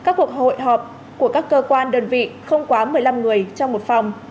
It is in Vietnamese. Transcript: trường hợp của các cơ quan đơn vị không quá một mươi năm người trong một phòng